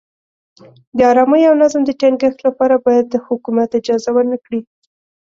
د ارامۍ او نظم د ټینګښت لپاره باید حکومت اجازه ورنه کړي.